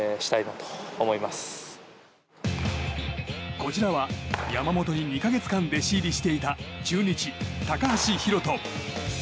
こちらは、山本に２か月間弟子入りしていた中日、高橋宏斗。